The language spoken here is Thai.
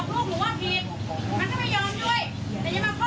ของอยู่ว่าเด็กมันไม่ค่อยเจอไม่ค่อยเจอคนอย่างนี้